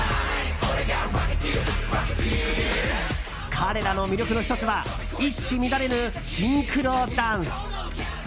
彼らの魅力の１つは一糸乱れぬシンクロダンス。